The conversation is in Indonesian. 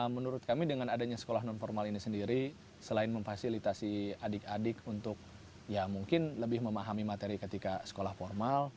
menurut kami dengan adanya sekolah non formal ini sendiri selain memfasilitasi adik adik untuk ya mungkin lebih memahami materi ketika sekolah formal